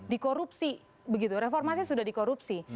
dikorupsi begitu reformasi sudah dikorupsi